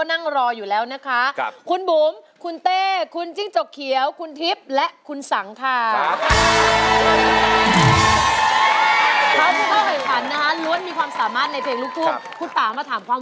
ตั้งเป้าไว้กี่เพลงค่ะคุณทิพย์ค่ะ